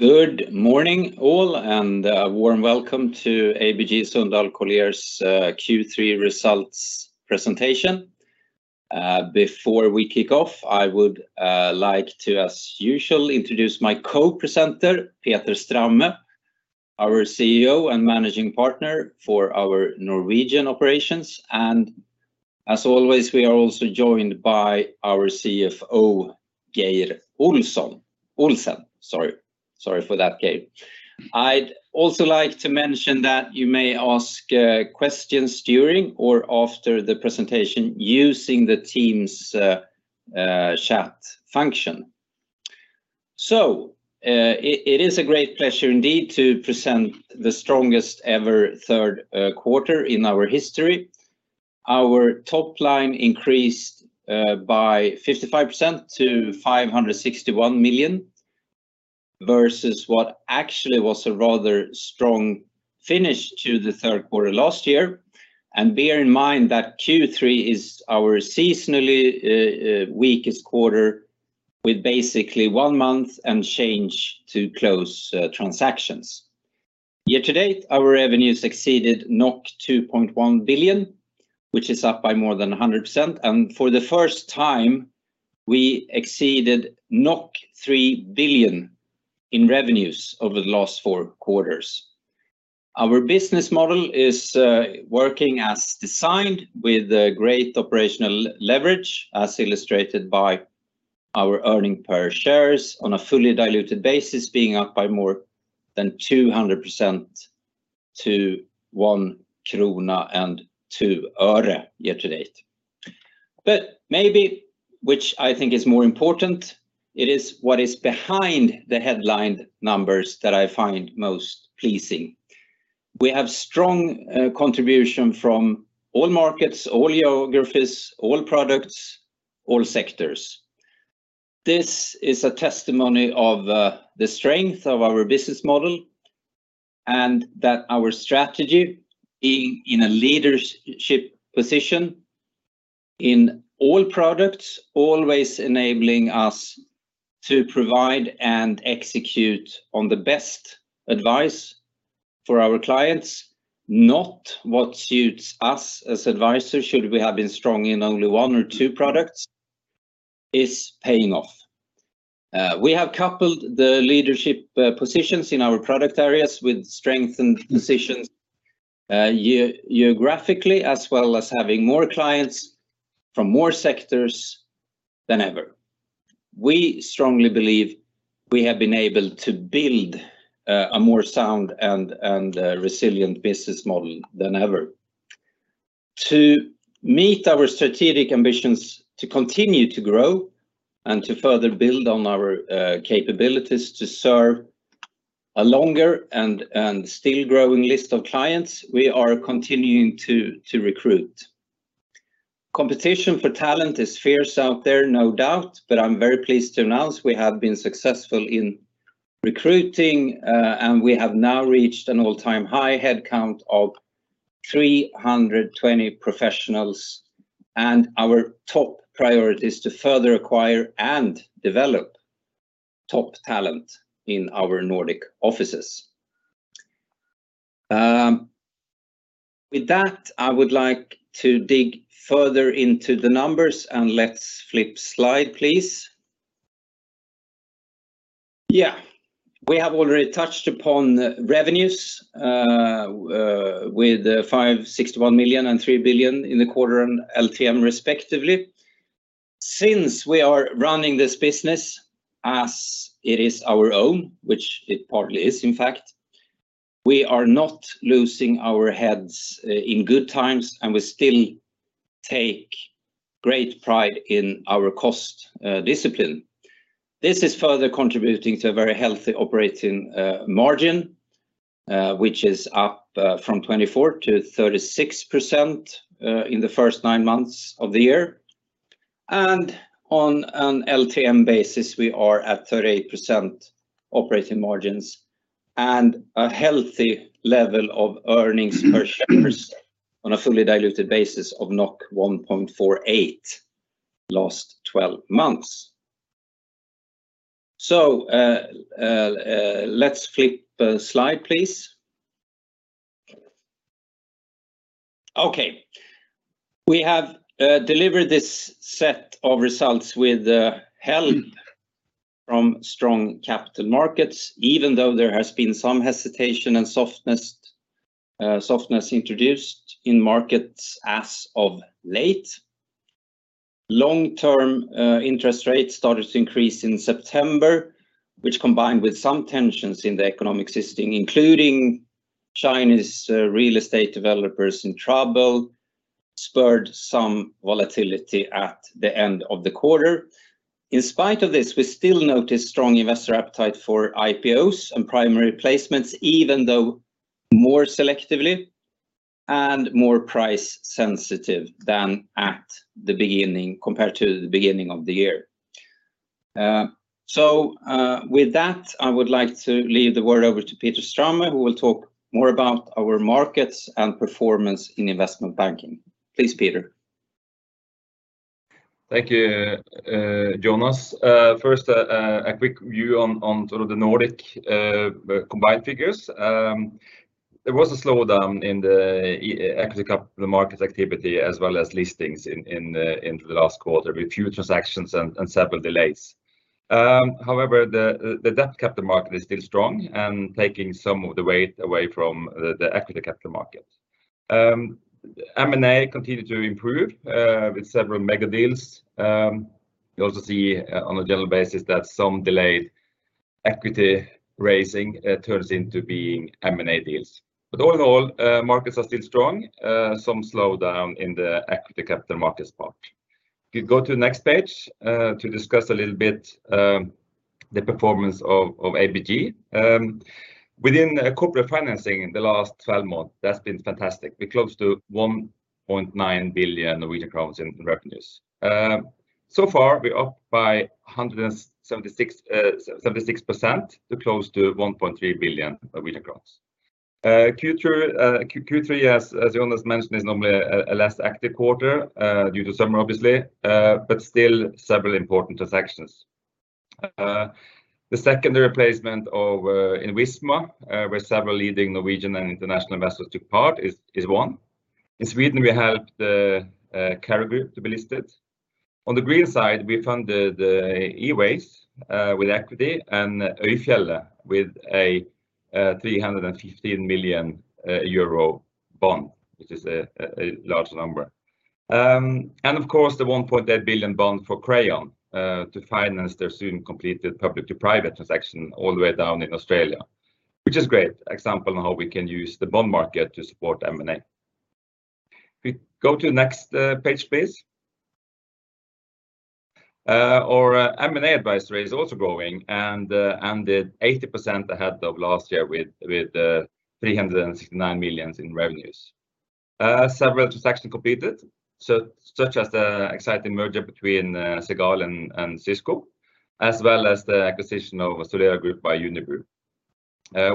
Good morning all, a warm Welcome to ABG Sundal Collier's Q3 results presentation. Before we kick off, I would like to, as usual, introduce my co-presenter, Peter Straume, our CEO and Managing Partner for our Norwegian operations. As always, we are also joined by our CFO, Geir Olsen. Sorry for that, Geir. I'd also like to mention that you may ask questions during or after the presentation using the team's chat function. It is a great pleasure indeed to present the strongest ever third quarter in our history. Our top line increased by 55% to 561 million versus what actually was a rather strong finish to the third quarter last year. Bear in mind that Q3 is our seasonally weakest quarter with basically one month and change to close transactions. Year to date, our revenues exceeded 2.1 billion, which is up by more than 100%, and for the first time, we exceeded 3 billion in revenues over the last four quarters. Our business model is working as designed with great operational leverage, as illustrated by our earnings per share on a fully diluted basis being up by more than 200% to 1.02 krone year to date. Maybe which I think is more important, it is what is behind the headline numbers that I find most pleasing. We have strong contribution from all markets, all geographies, all products, all sectors. This is a testimony of the strength of our business model and that our strategy being in a leadership position in all products always enabling us to provide and execute on the best advice for our clients, not what suits us as advisors should we have been strong in only one or two products, is paying off. We have coupled the leadership positions in our product areas with strengthened positions geographically as well as having more clients from more sectors than ever. We strongly believe we have been able to build a more sound and resilient business model than ever. To meet our strategic ambitions to continue to grow and to further build on our capabilities to serve a longer and still growing list of clients, we are continuing to recruit. Competition for talent is fierce out there, no doubt, I'm very pleased to announce we have been successful in recruiting, and we have now reached an all-time high headcount of 320 professionals. Our top priority is to further acquire and develop top talent in our Nordic offices. With that, I would like to dig further into the numbers. Let's flip slide, please. We have already touched upon revenues with 561 million and 3 billion in the quarter and LTM respectively. Since we are running this business as it is our own, which it partly is in fact, we are not losing our heads in good times. We still take great pride in our cost discipline. This is further contributing to a very healthy operating margin, which is up from 24%-36% in the first nine months of the year. On an LTM basis, we are at 38% operating margins and a healthy level of earnings per shares on a fully diluted basis of 1.48 last 12 months. Let's flip slide please. We have delivered this set of results with help from strong capital markets even though there has been some hesitation and softness introduced in markets as of late. Long-term interest rates started to increase in September, which combined with some tensions in the economic system, including Chinese real estate developers in trouble, spurred some volatility at the end of the quarter. In spite of this, we still notice strong investor appetite for IPOs and primary placements, even though more selectively and more price sensitive than at the beginning compared to the beginning of the year. With that, I would like to leave the word over to Peter Straume, who will talk more about our markets and performance in investment banking. Please, Peter. Thank you, Jonas. First, a quick view on the Nordic combined figures. There was a slowdown in the Equity Capital Markets activity as well as listings in the last quarter with a few transactions and several delays. The Debt Capital Market is still strong and taking some of the weight away from the Equity Capital Market. M&A continued to improve with several mega deals. You also see on a general basis that some delayed equity raising turns into being M&A deals. Overall, markets are still strong. Some slowdown in the Equity Capital Markets part. If you go to the next page to discuss a little bit the performance of ABG. Within Corporate Financing in the last 12 months, that's been fantastic. We're close to 1.9 billion Norwegian crowns in revenues. So far, we're up by 176%, to close to 1.3 billion Norwegian crowns. Q3, as Jonas mentioned, is normally a less active quarter, due to summer, obviously, but still several important transactions. The secondary placement in Visma where several leading Norwegian and international investors took part is one. In Sweden, we helped Cary Group to be listed. On the green side, we funded the Eways with equity and Øyfjellet with a 315 million euro bond, which is a large number. Of course, the 1.3 billion bond for Crayon to finance their soon completed public to private transaction all the way down in Australia, which is great example of how we can use the bond market to support M&A. If we go to the next page, please. Our M&A advisory is also growing and ended 80% ahead of last year with 309 million in revenues. Several transactions completed, such as the exciting merger between Cegal and Sysco, as well as the acquisition of [Austria] Group by Unigroup.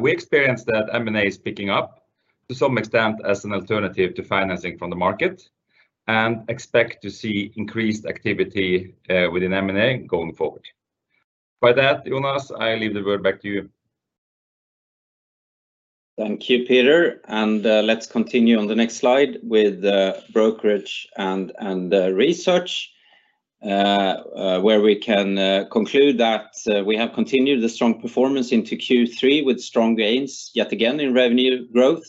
We experienced that M&A is picking up to some extent as an alternative to financing from the market and expect to see increased activity within M&A going forward. By that, Jonas, I leave the word back to you. Thank you, Peter, and let's continue on the next slide with Brokerage and Research where we can conclude that we have continued the strong performance into Q3 with strong gains yet again in revenue growth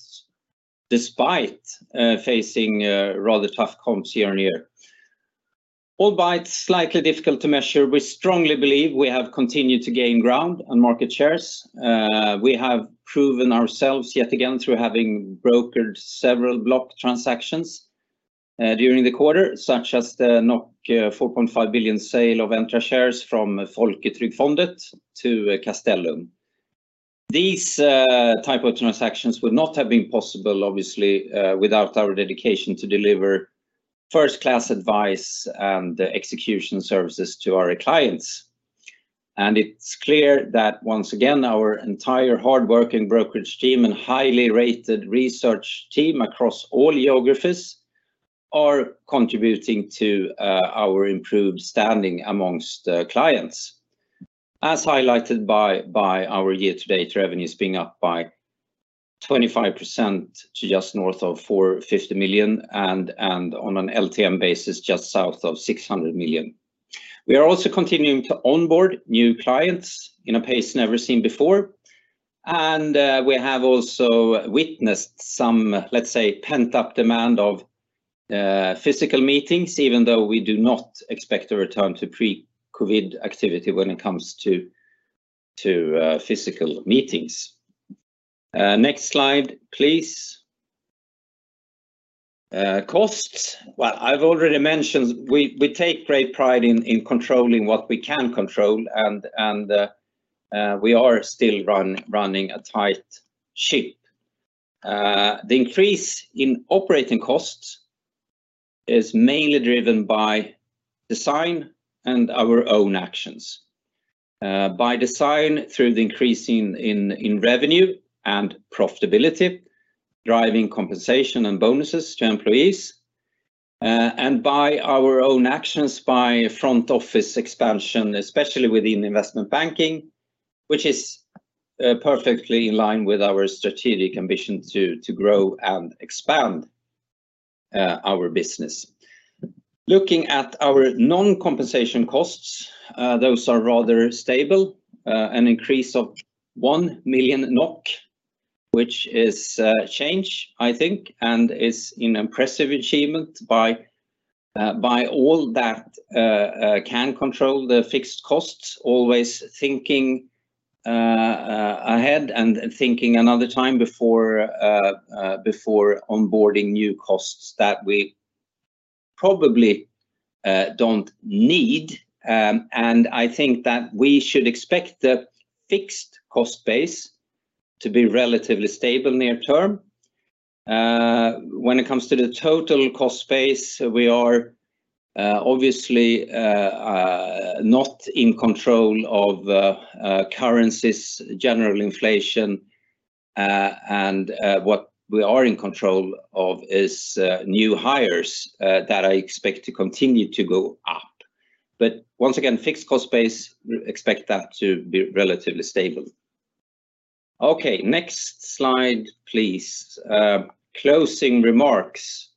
despite facing rather tough comps year-on-year. Albeit slightly difficult to measure, we strongly believe we have continued to gain ground on market shares. We have proven ourselves yet again through having brokered several block transactions during the quarter, such as the 4.5 billion sale of Entra shares from Folketrygdfondet to Castellum. These type of transactions would not have been possible, obviously, without our dedication to deliver first-class advice and execution services to our clients. It's clear that once again, our entire hardworking brokerage team and highly rated research team across all geographies are contributing to our improved standing amongst clients. As highlighted by our year-to-date revenues being up by 25% to just north of 450 million, and on an LTM basis, just south of 600 million. We are also continuing to onboard new clients in a pace never seen before, and we have also witnessed some, let's say, pent-up demand of physical meetings, even though we do not expect a return to pre-COVID activity when it comes to physical meetings. Next slide, please. Costs. Well, I've already mentioned we take great pride in controlling what we can control, and we are still running a tight ship. The increase in operating costs is mainly driven by design and our own actions. By design through the increase in revenue and profitability, driving compensation and bonuses to employees, and by our own actions by front office expansion, especially within investment banking, which is perfectly in line with our strategic ambition to grow and expand our business. Looking at our non-compensation costs, those are rather stable. An increase of 1 million NOK, which is change, I think, and is an impressive achievement by all that can control the fixed costs, always thinking ahead and thinking another time before onboarding new costs that we probably don't need. I think that we should expect the fixed cost base to be relatively stable near term. When it comes to the total cost base, we are obviously not in control of currencies, general inflation. What we are in control of is new hires that I expect to continue to go up. Once again, fixed cost base, expect that to be relatively stable. Next slide, please. Closing remarks.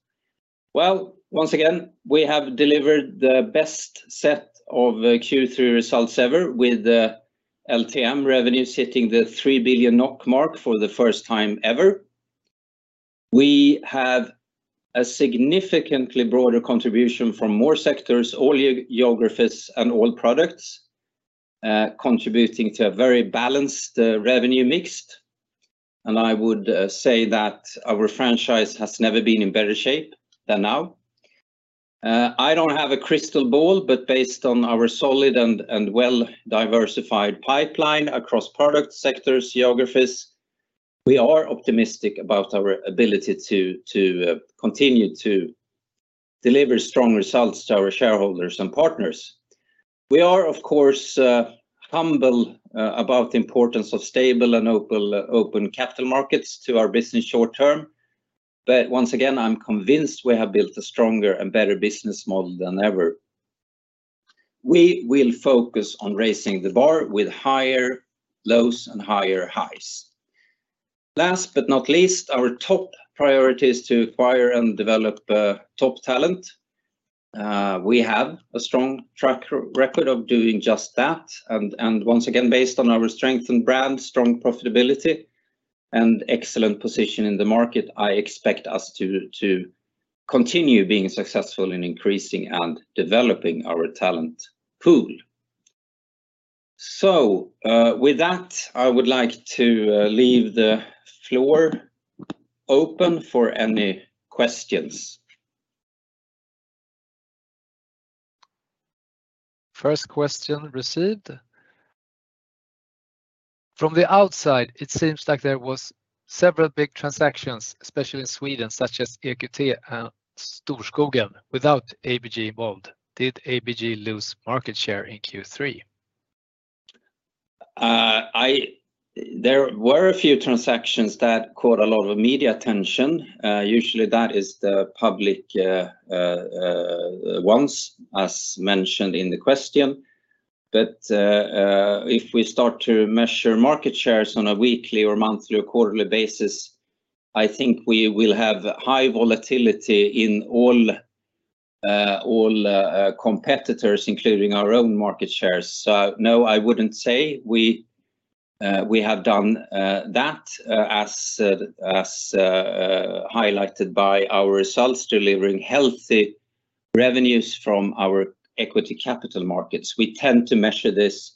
Once again, we have delivered the best set of Q3 results ever with the LTM revenue hitting the 3 billion NOK mark for the first time ever. We have a significantly broader contribution from more sectors, all geographies, and all products contributing to a very balanced revenue mix. I would say that our franchise has never been in better shape than now. I don't have a crystal ball, but based on our solid and well-diversified pipeline across product sectors, geographies, we are optimistic about our ability to continue to deliver strong results to our shareholders and partners. We are, of course, humble about the importance of stable and open capital markets to our business short term. Once again, I'm convinced we have built a stronger and better business model than ever. We will focus on raising the bar with higher lows and higher highs. Last but not least, our top priority is to acquire and develop top talent. We have a strong track record of doing just that and once again, based on our strength and brand, strong profitability, and excellent position in the market, I expect us to continue being successful in increasing and developing our talent pool. With that, I would like to leave the floor open for any questions. First question received. From the outside, it seems like there was several big transactions, especially in Sweden, such as EQT and Storskogen without ABG involved. Did ABG lose market share in Q3? There were a few transactions that caught a lot of media attention. Usually that is the public ones as mentioned in the question. If we start to measure market shares on a weekly or monthly or quarterly basis, I think we will have high volatility in all competitors including our own market shares. No, I wouldn't say we have done that as highlighted by our results delivering healthy revenues from our Equity Capital Markets. We tend to measure this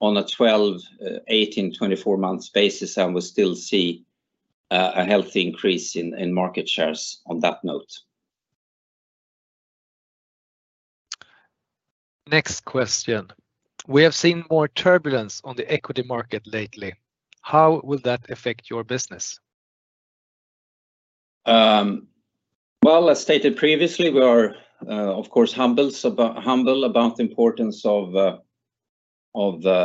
on a 12, 18, 24 month basis, we still see a healthy increase in market shares on that note. Next question. We have seen more turbulence on the equity market lately. How will that affect your business? Well, as stated previously, we are, of course humble about the importance of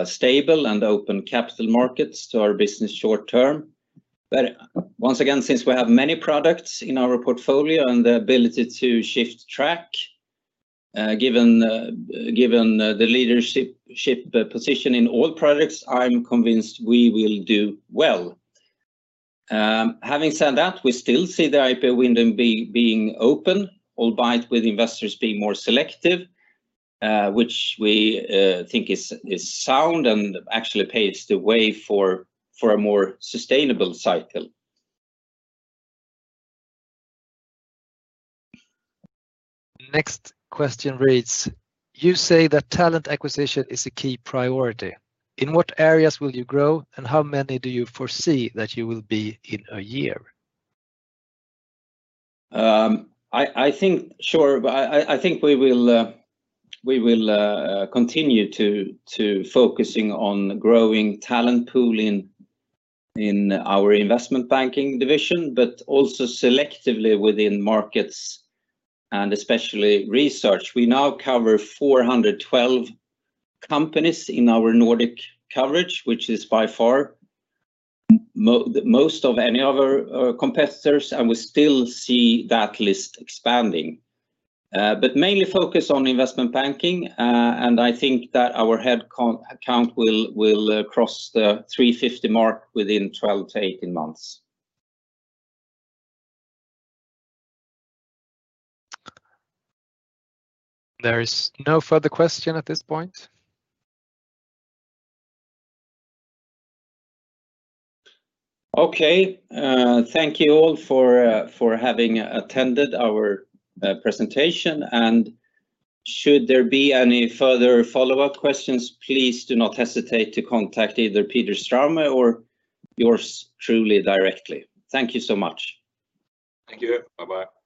stable and open capital markets to our business short term. Once again, since we have many products in our portfolio and the ability to shift track given the leadership position in all products, I'm convinced we will do well. Having said that, we still see the IPO window being open, albeit with investors being more selective, which we think is sound and actually paves the way for a more sustainable cycle. Next question reads, you say that talent acquisition is a key priority. In what areas will you grow and how many do you foresee that you will be in a year? Sure. I think we will continue to focusing on growing talent pool in our Investment Banking division, but also selectively within Markets and especially Research. We now cover 412 companies in our Nordic coverage, which is by far most of any other competitors and we still see that list expanding. Mainly focus on Investment Banking and I think that our head count will cross the 350 mark within 12 to 18 months. There is no further question at this point. Okay. Thank you all for having attended our presentation. Should there be any further follow-up questions, please do not hesitate to contact either Peter Straume or yours truly directly. Thank you so much. Thank you. Bye bye.